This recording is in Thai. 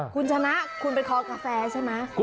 คุณชนะคุณไปเคาะกาแฟใช่มั้ย